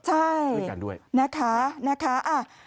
ใช่นะคะนะคะอ่ะ